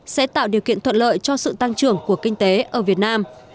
sẽ tạo điều kiện thuận lợi cho sự tăng trưởng của kinh tế ở việt nam